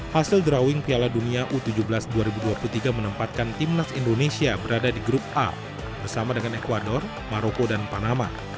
hasil drawing piala dunia u tujuh belas dua ribu dua puluh tiga menempatkan timnas indonesia berada di grup a bersama dengan ecuador maroko dan panama